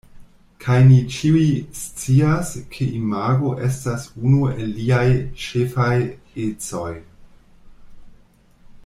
Kaj ni ĉiuj scias, ke imago estas unu el liaj ĉefaj ecoj.